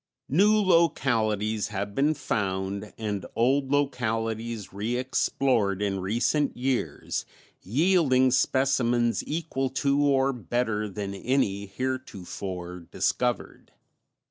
New localities have been found and old localities re explored in recent years, yielding specimens equal to or better than any heretofore discovered.